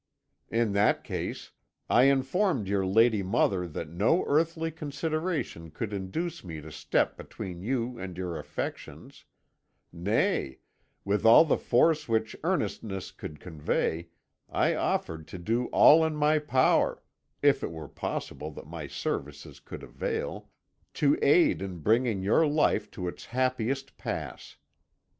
In that case, I informed your lady mother that no earthly consideration could induce me to step between you and your affections; nay, with all the force which earnestness could convey, I offered to do all in my power if it were possible that my services could avail to aid in bringing your life to its happiest pass.